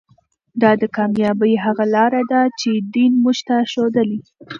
دا د کامیابۍ هغه لاره ده چې دین موږ ته ښودلې.